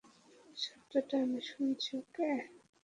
শব্দটা আমি শুনেছি, ওকে?